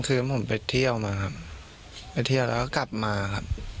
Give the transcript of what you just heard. คือผมไปเที่ยวมาครับไปเที่ยวแล้วก็กลับมาครับ